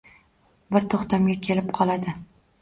Bir to‘xtamga kelib qoladi.